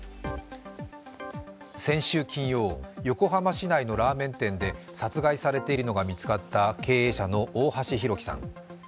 先週金曜、横浜市内のラーメン店で殺害されているのが見つかった経営者の大橋弘輝さん。